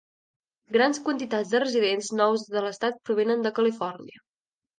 Grans quantitats de residents nous de l'estat provenen de Califòrnia.